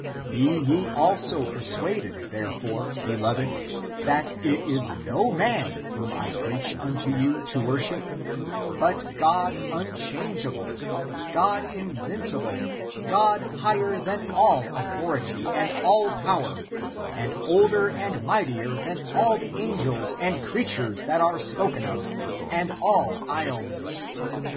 Be ye also persuaded, therefore, beloved, that it is no man whom I preach unto you to wor ship, but God unchangeable, God invincible, God higher than all authority, and all power, and older and mightier than all the angels and creatures that are spoken of, and all ages (?eons).